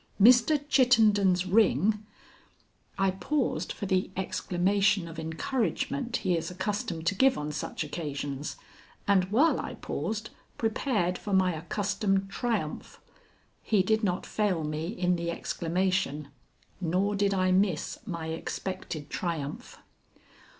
Mr. Chittenden's ring " I paused for the exclamation of encouragement he is accustomed to give on such occasions, and while I paused, prepared for my accustomed triumph. He did not fail me in the exclamation, nor did I miss my expected triumph.